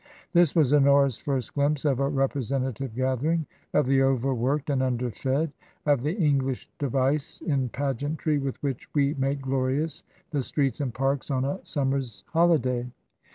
This was Honora's first glimpse of a representative gathering of the overworked and underfed — of the English device in pageantry with which we make glorious the streets and parks on a sum mer's holiday.